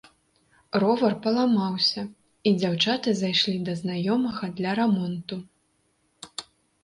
Ровар паламаўся і дзяўчаты зайшлі да знаёмага для рамонту.